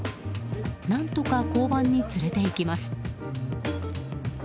何とか交番に連れていきます。